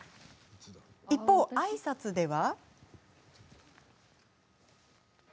一方、あいさつでは。